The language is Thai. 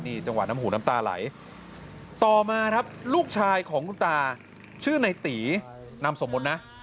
จังหวะน้ำหูน้ำตาไหลต่อมาครับลูกชายของคุณตาชื่อในตีนามสมมุตินะ